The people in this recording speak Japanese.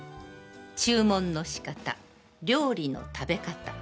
注文の仕方、料理の食べ方。